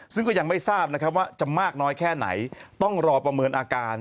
ซึ่งก็ยังไม่ทราบนะครับว่าจะมากน้อยแค่ไหนต้องรอประเมินอาการ